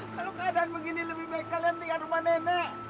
kalau keadaan begini lebih baik kalian tinggal rumah nenek